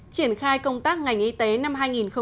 triển khai công tác ngành y tế năm hai nghìn một mươi tám